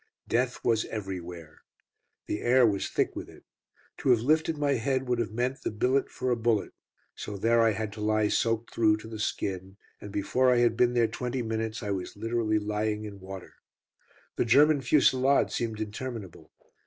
Death was everywhere. The air was thick with it. To have lifted my head would have meant the billet for a bullet. So there I had to lie soaked through to the skin, and before I had been there twenty minutes I was literally lying in water. The German fusillade seemed interminable.